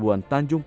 pada juni tahun lalu